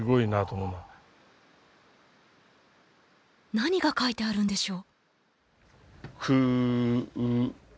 何が書いてあるんでしょう？